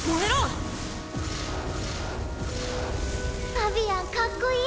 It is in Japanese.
ファビアンかっこいい！